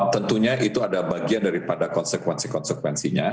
tentunya itu ada bagian daripada konsekuensi konsekuensinya